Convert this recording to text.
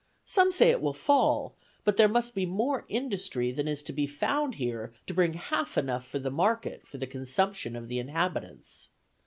Some say it will fall, but there must be more industry than is to be found here to bring half enough to the market for the consumption of the inhabitants.